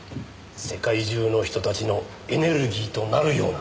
世界中の人たちのエネルギーとなるような。